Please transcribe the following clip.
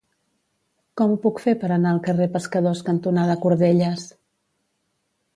Com ho puc fer per anar al carrer Pescadors cantonada Cordelles?